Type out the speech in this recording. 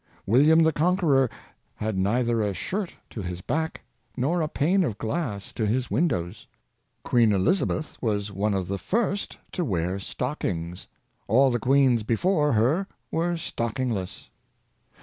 William the Conquerer had neither a shirt to his back nor a pane of glass to his windows. Queen Elizabeth was one of of the first to wear stockings. All the queens before her were stockingless.